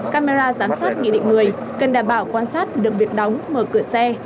camera giám sát nghị định người cần đảm bảo quan sát được việc đóng mở cửa xe